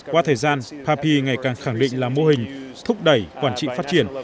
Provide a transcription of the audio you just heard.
qua thời gian papi ngày càng khẳng định là mô hình thúc đẩy quản trị phát triển